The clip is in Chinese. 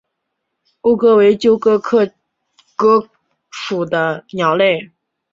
欧鸽为鸠鸽科鸽属的鸟类。